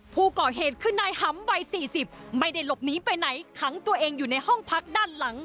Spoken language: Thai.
ผู้ก่อเหตุคือนายหำวัย๔๐ไม่ได้หลบหนีไปไหนขังตัวเองอยู่ในห้องพักด้านหลัง